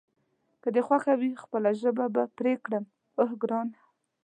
که دې خوښه وي خپله ژبه به پرې کړم، اوه ګرانه.